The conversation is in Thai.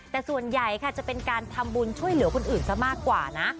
แต่ส่วนใหญ่ค่ะจะเป็นการทำบุญช่วยเหลือคนอื่นซะมากกว่านะ